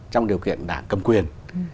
trong điều kiện đảng cầm quyền